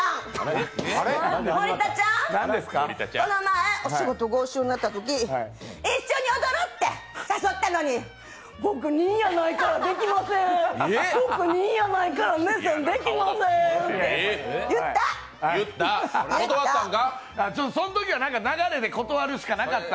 この前、お仕事ご一緒になったとき一緒に踊ろうって言ったら僕兄やないから、僕できませんって言った。